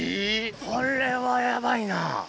これはヤバいな。